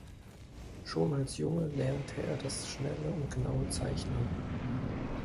Schon als Junge lernte er das schnelle und genaue Zeichnen.